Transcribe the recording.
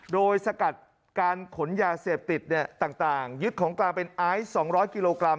โดยสกัดการขนยาเสพติดต่างยึดของกลางเป็นไอซ์๒๐๐กิโลกรัม